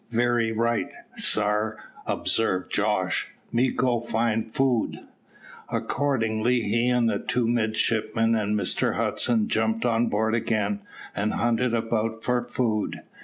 "Very right, sare," observed Jos; "me go find food." Accordingly he and the two midshipmen and Mr Hudson jumped on board again and hunted about for food.